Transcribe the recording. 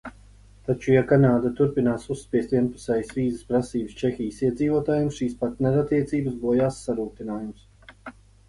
Taču, ja Kanāda turpinās uzspiest vienpusējas vīzas prasības Čehijas iedzīvotājiem, šīs partnerattiecības bojās sarūgtinājums.